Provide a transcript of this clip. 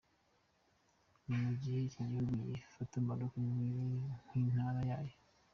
Ni mu gihe iki gihugu gifatwa na Maroc nk’intara yayo.